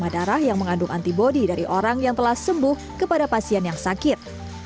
darah yang mengandung antibody dari orang yang telah sembuh kepada pasien yang sakit